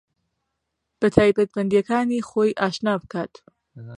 بە تایبەتمەندێتییەکانی خۆی ئاشنا بکات